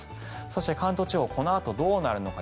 そして関東地方このあとどうなるのか。